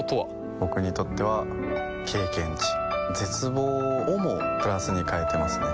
僕にとっては経験値絶望をもプラスに変えていますね